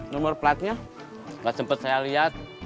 nomor platenya gak sempat saya lihat